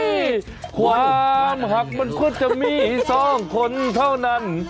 อุ้ยความหักมันก็จะมี๒คนเท่านั้น